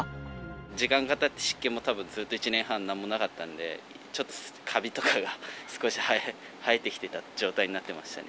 時間がたって、湿気もたぶん、ずっと１年半なんもなかったんで、ちょっとかびとかが少し生えてきてた状態になってましたね。